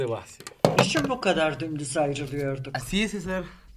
Niçin bu kadar dümdüz ayrılıyorduk?